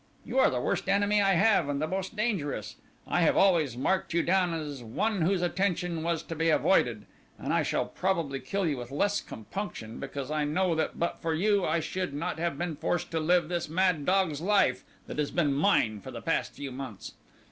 You are the worst enemy I have and the most dangerous. I have always marked you down as one whose attention was to be avoided, and I shall probably kill you with less compunction because I know that but for you I should not have been forced to live this mad dog's life that has been mine for the past few months.